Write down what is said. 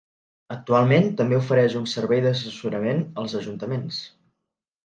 Actualment, també ofereix un servei d’assessorament als ajuntaments.